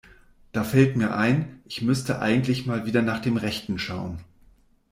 Da fällt mir ein, ich müsste eigentlich mal wieder nach dem Rechten schauen.